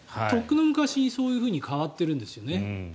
とっくの昔にそういうふうに変わってるんですよね。